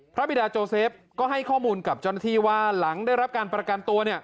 บิดาโจเซฟก็ให้ข้อมูลกับเจ้าหน้าที่ว่าหลังได้รับการประกันตัว